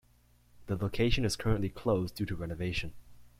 The location is currently closed due to renovation.